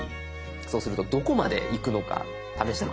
そうするとどこまでいくのか試して。